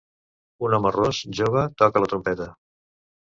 Un home ros jove toca la trompeta.